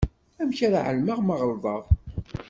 Amek ara εelmeɣ ma ɣelḍeɣ?